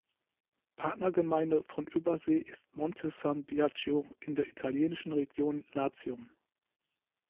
Partnergemeinde von Übersee ist Monte San Biagio in der italienischen Region Latium.